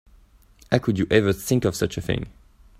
How could you ever think of such a thing?